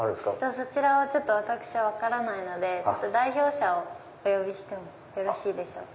そちらは私は分からないので代表者をお呼びしてよろしいでしょうか？